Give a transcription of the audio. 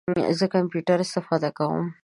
زه کمپیوټر استفاده کوم